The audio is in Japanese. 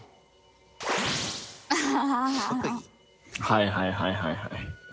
はいはいはいはい。